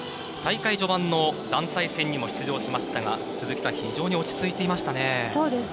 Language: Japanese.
大会序盤の団体戦にも出場しましたが非常に落ち着いていましたね。